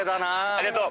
ありがとう。